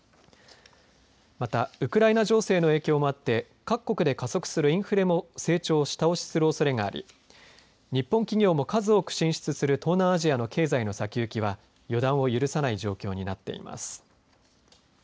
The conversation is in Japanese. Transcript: またウクライナ情勢の影響もあって各国で加速するインフレも成長を下押しするおそれがあり日本企業も数多く進出する東南アジアの経済の先行きは予断を許さない状況になっています。